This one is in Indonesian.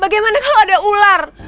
bagaimana kalau ada ular